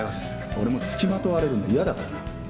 俺も付きまとわれるの嫌だからな。